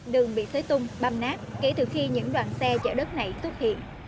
đường bị xấy tung băm nát kể từ khi những đoàn xe chở đất này xuất hiện